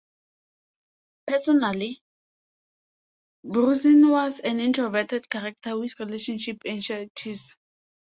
Personally, Brorsen was an introverted character with relationship anxieties.